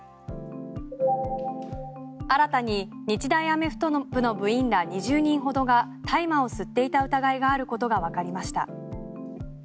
新たに日大アメフト部の部員ら２０人ほどが大麻を吸っていた疑いがあることがわかりました。